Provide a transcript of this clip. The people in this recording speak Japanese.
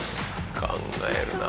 考えるなあ。